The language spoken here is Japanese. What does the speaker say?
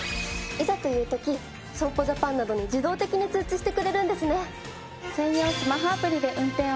いざという時損保ジャパンなどに自動的に通知してくれるんですね。